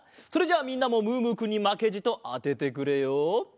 それじゃあみんなもムームーくんにまけじとあててくれよ。